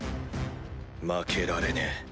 負けられねえ